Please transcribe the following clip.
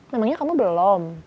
memangnya kamu belum